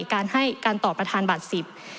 การให้การตอบประธานบาทสิบ